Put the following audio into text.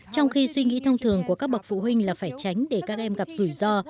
trong khi suy nghĩ thông thường của các bậc phụ huynh là phải tránh để các em gặp rủi ro